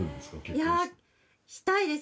いやしたいです。